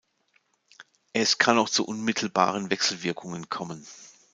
Es kann auch zu unmittelbaren Wechselwirkungen kommen.